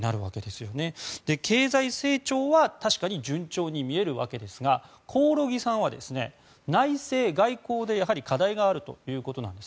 経済成長は確かに順調に見えるわけですが興梠さんは内政・外交でやはり課題があるということです。